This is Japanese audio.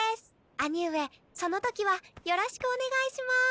兄上その時はよろしくお願いします。